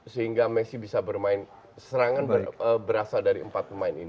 sehingga messi bisa bermain serangan berasal dari empat pemain ini